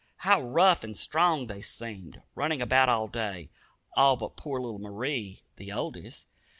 How rough and strong they seemed, running about all day, all but poor little Marie, the oldest.